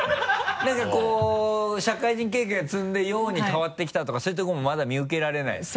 なんかこう社会人経験積んで陽に変わってきたとかそういうところもまだ見受けられないですか？